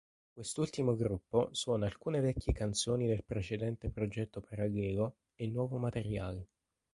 Quest'ultimo gruppo suona alcune vecchie canzoni del precedente progetto parallelo e nuovo materiale.